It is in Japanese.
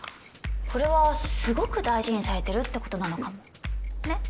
これはすごく大事にされてるってことなのかもねっ？